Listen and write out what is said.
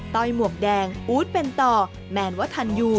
้อยหมวกแดงอู๊ดเป็นต่อแมนวัฒนยู